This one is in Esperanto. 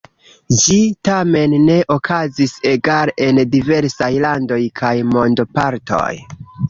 Ĝi tamen ne okazis egale en diversaj landoj kaj mondopartoj.